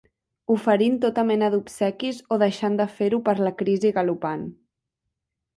Oferint tota mena d'obsequis o deixant de fer-ho per la crisi galopant.